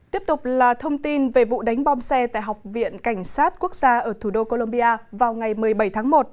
tiếp tục là thông tin về vụ đánh bom xe tại học viện cảnh sát quốc gia ở thủ đô colombia vào ngày một mươi bảy tháng một